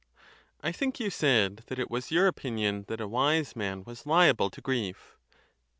I think you said that it was your opinion that a wise man was liable to grief.